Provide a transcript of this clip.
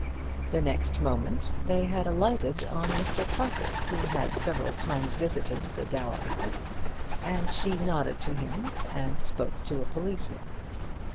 The next moment they had lighted on Mr. Parker, who had several times visited the Dower House, and she nodded to him, and spoke to a policeman.